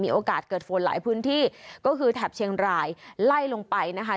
โอกาสเกิดฝนหลายพื้นที่ก็คือแถบเชียงรายไล่ลงไปนะคะ